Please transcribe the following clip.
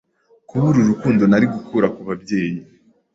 kubura urukundo nari gukura ku babyeyi,